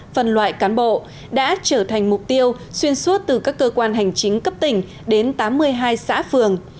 phần loại cán bộ đã trở thành mục tiêu xuyên suốt từ các cơ quan hành chính cấp tỉnh đến tám mươi hai xã phường